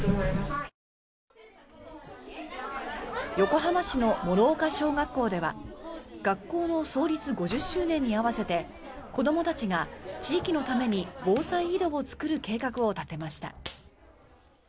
横浜市の師岡小学校では学校の創立５０周年に合わせて子どもたちが地域のために防災井戸を作る計画を立てました。